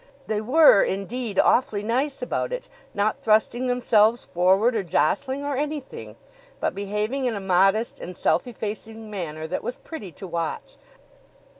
They were, indeed, awfully nice about it, not thrusting themselves forward or jostling or anything, but behaving in a modest and self effacing manner that was pretty to watch.